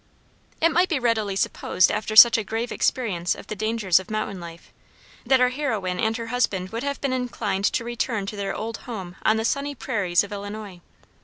It might be readily supposed after such a grave experience of the dangers of mountain life, that our heroine and her husband would have been inclined to return to their old home on the sunny prairies of Illinois.